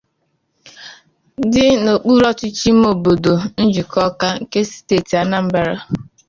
dị n'okpuruọchịchị ime obodo Njikọka nke steeti Anambra